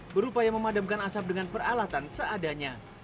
berupaya memadamkan asap dengan peralatan seadanya